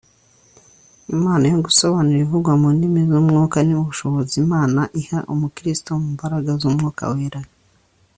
Impano yo gusobanura ibivugwa mu ndimi z’Umwuka ni ubushobozi Imana iha umukiristo mu mbaraga z’Umwuka Wera